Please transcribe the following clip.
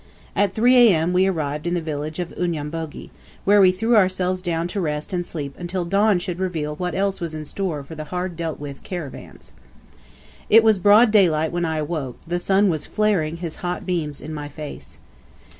At 3 A.M. we arrived at the village of Unyambogi, where we threw ourselves down to rest and sleep until dawn should reveal what else was in store for the hard dealt with caravans. It was broad daylight when I awoke; the sun was flaring his hot beams in my face.